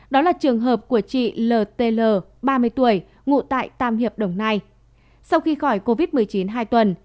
đó là trường hợp của chị l t l ba mươi tuổi ngụ tại tam hiệp đồng nai sau khi khỏi covid một mươi chín hai tuần